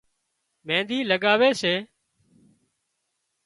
مينۮِي لڳاوي سي